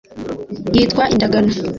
Yitwa indagano.